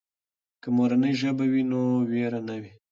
که مورنۍ ژبه وي نو وېره نه وي.